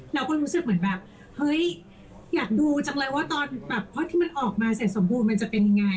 เราก็รู้สึกเหมือนแบบเฮ้ยอยากดูจังเลยว่าตอนแบบเพราะที่มันออกมาเสร็จสมบูรณ์มันจะเป็นยังไง